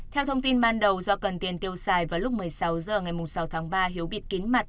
theo thông tin ban đầu do cần tiền tiêu xài vào lúc một mươi sáu h ngày sáu tháng ba hiếu bịt kín mặt